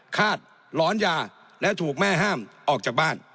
ฆาตหลอนยาและถูกแม่ห้ามออกจากบ้าน